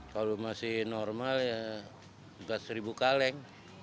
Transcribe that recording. kalau masih normal ya juga seribu kaleng